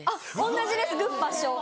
同じです「グッパッショ」。